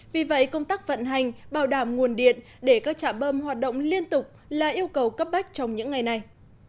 vì vậy công tác vận hành bảo đảm nguồn điện để các trạm bơm hoạt động liên tục là yêu cầu cấp bách trong những ngày này